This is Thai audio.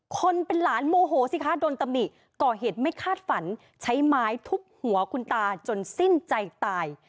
คนเป็นหลานโมโหสิคะโดนตำหนิก่อเหตุไม่คาดฝันใช้ไม้ทุบหัวคุณตาจนสิ้นใจตาย